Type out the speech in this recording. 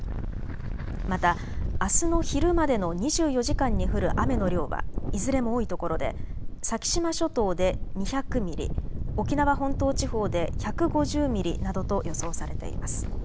またあすの昼までの２４時間に降る雨の量はいずれも多いところで先島諸島で２００ミリ、沖縄本島地方で１５０ミリなどと予想されています。